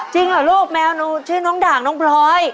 ฉี่น้องด่างน้องพลอย